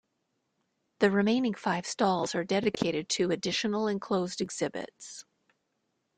The remaining five stalls are dedicated to additional enclosed exhibits.